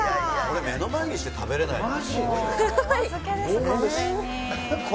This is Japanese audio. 目の前にして食べれないの。